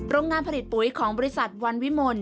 โรงงานผลิตปุ๋ยของบริษัทวันวิมล